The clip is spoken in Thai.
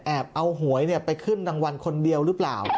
แอบเอาหวยเนี่ยไปขึ้นดังวันคนเดียวหรือเปล่า